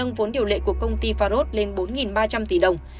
nâng vốn điều lệ của công ty farros lên bốn ba trăm linh tỷ đồng